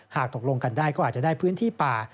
ตกลงกันได้ก็อาจจะได้พื้นที่ป่า